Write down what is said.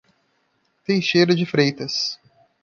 Teixeira de Freitas